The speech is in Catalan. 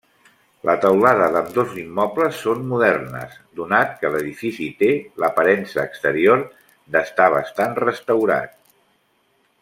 La teulada d'ambdós immobles són modernes, donat que l'edifici té l'aparença exterior d'estar bastant restaurat.